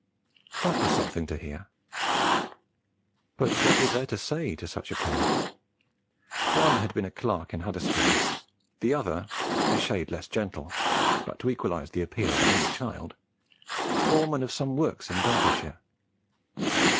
That was something to hear. But what was there to say to such a pair? One had been a clerk in Huddersfield; the other, a shade less gentle, but, to equalise the appeal, an only child, foreman of some works in Derbyshire.